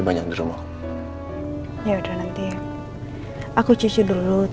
makasih udah hantarin aku pulang